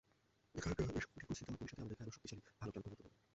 এখনকার এসব কঠিন পরিস্থিতিই ভবিষ্যতে আমাদেরকে আরও শক্তিশালী, ভালো ক্লাবে পরিণত করবে।